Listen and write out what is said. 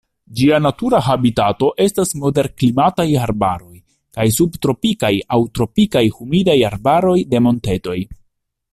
Ĝia natura habitato estas moderklimataj arbaroj kaj subtropikaj aŭ tropikaj humidaj arbaroj de montetoj.